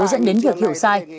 dẫn đến việc hiểu sai